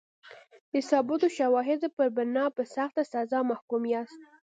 د ثابتو شواهدو پر بنا په سخته سزا محکوم یاست.